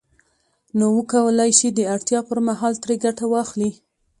نو وکولای شي د اړتیا پر مهال ترې ګټه واخلي